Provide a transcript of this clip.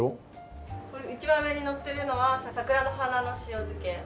一番上にのっているのは桜の花の塩漬け。